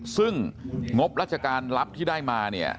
ซึ่งงบราชการรับที่ได้มา